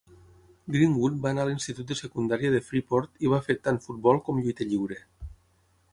Greenwood va anar a l'institut de secundària de Freeport i va fer tant futbol com lluita lliure.